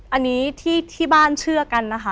อันนี้ที่บ้านเชื่อกันนะคะ